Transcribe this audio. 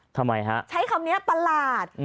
ทำไมฮะใช้คำนี้ประหลาด